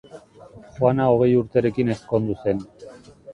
Juana hogei urterekin ezkondu zen.